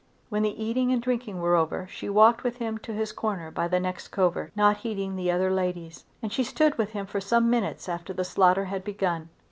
When the eating and drinking were over she walked with him to his corner by the next covert, not heeding the other ladies; and she stood with him for some minutes after the slaughter had begun.